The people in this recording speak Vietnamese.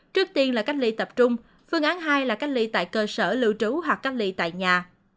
trước tiên là cách ly tập trung phương án hai là cách ly tại cơ sở lưu trú hoặc cách ly tại nhà